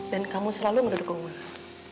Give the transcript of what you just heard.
dan kamu selalu mendukung gue